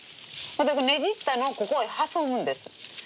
ねじったのをここへ挟むんです。